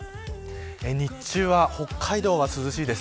日中は北海道が涼しいです。